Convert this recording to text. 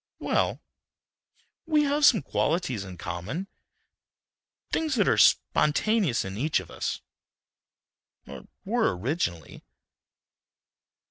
"Well, we have some qualities in common. Things that are spontaneous in each of us—or were originally."